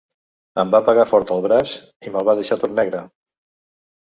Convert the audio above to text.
Em va pegar fort al braç i me’l va deixar tot negre.